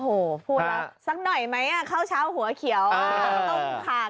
โอ้โหพูดแล้วสักหน่อยไหมข้าวเช้าหัวเขียวต้องขาด